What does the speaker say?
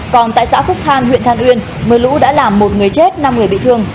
còn tại xã phúc than huyện than uyên mưa lũ đã làm một người chết năm người bị thương